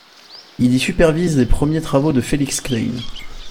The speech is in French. Il y supervise les premiers travaux de Felix Klein.